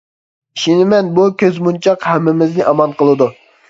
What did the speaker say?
ئىشىنىمەن، بۇ كۆز مونچاق ھەممىمىزنى ئامان قىلىدۇ.